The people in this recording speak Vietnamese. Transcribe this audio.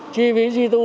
chi phí di tư